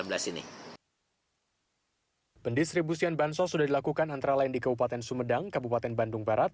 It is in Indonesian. hai pendistribusian bansos sudah dilakukan antara lain di kabupaten sumedang kabupaten bandung barat